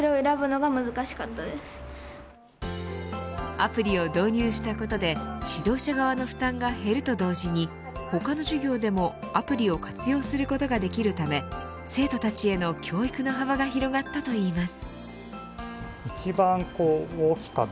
アプリを導入したことで指導者側の負担が減ると同時に他の授業でもアプリを活用することができるため生徒たちへの教育の幅が広がったといいます。